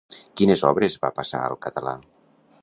Quines obres va passar al català?